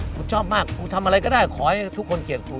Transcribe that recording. ชอบมากกูทำอะไรก็ได้ขอให้ทุกคนเกลียดกู